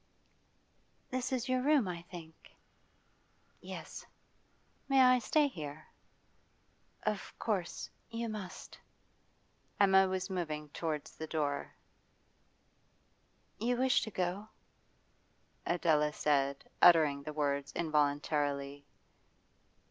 'This is your room, I think?' 'Yes.' 'May I stay here?' 'Of course you must.' Emma was moving towards the door. 'You wish to go?' Adela said, uttering the words involuntarily.